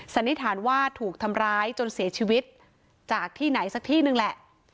สันนิษฐานว่าถูกทำร้ายจนเสียชีวิตจากที่ไหนสักที่นึงแหละ